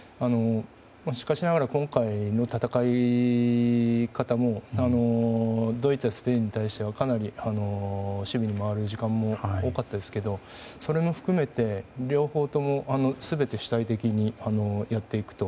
しかしながら今回の戦い方もドイツやスペインに対してはかなり守備に回る時間も多かったですけど、それも含めて両方とも全て主体的にやっていくと。